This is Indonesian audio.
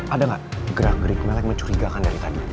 ada nggak gerak gerik melek mencurigakan dari tadi